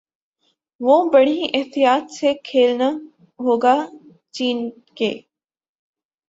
وہ بڑی احتیاط سے کھیلنا ہوگا چین کے